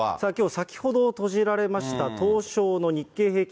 先ほど閉じられました、東証の日経平均